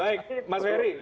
baik mas ferry